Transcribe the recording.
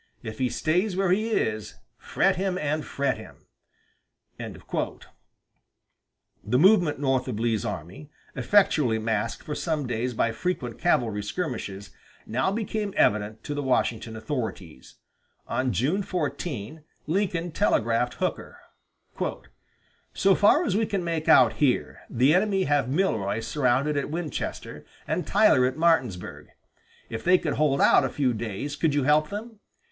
If he stays where he is, fret him and fret him." The movement northward of Lee's army, effectually masked for some days by frequent cavalry skirmishes, now became evident to the Washington authorities. On June 14, Lincoln telegraphed Hooker: "So far as we can make out here, the enemy have Milroy surrounded at Winchester, and Tyler at Martinsburg If they could hold out a few days, could you help them?